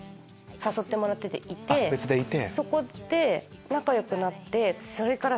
別でいて。